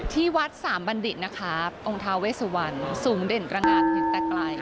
ที่วัดสามบัณฑิตนะคะองค์ทาเวสุวรรณสูงเด่นตระงาดเห็นแต่ไกล